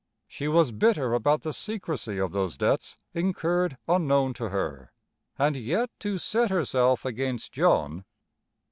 She was bitter about the secrecy of those debts incurred unknown to her. And yet to set herself against John!